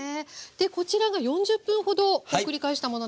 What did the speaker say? でこちらが４０分ほど繰り返したものなんですけれども。